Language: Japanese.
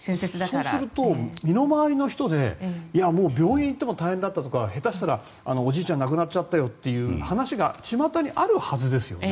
そうすると身の回りの人で病院に行っても大変だったとか下手したらおじいちゃんが亡くなっちゃったよっていう話がちまたにあるはずですよね。